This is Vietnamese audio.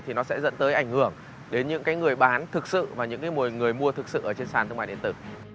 thì nó sẽ dẫn tới ảnh hưởng đến những người bán thực sự và những người mua thực sự ở trên sàn thương mại điện tử